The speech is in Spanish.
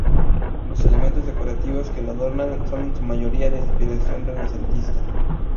Los elementos decorativos que la adornan son en su mayoría de inspiración renacentista.